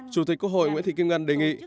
chủ tịch quốc hội nguyễn thị kim ngân đề nghị